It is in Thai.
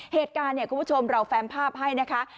เหตุการณ์เนี่ยคุณผู้ชมเราแฟมภาพให้นะคะ